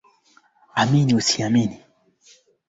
kwa mabavu Mashindano pekee yanayoruhusiwa kwa Mkristo ni yale ya